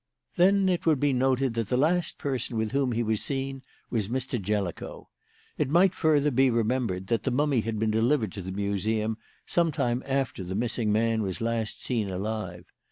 Then it would be noted that the last person with whom he was seen was Mr. Jellicoe. It might, further, be remembered that the mummy had been delivered to the Museum some time after the missing man was last seen alive.